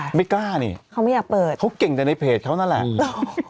ไม่กล้านี่เขาไม่อยากเปิดเขาเก่งแต่ในเพจเขานั่นแหละ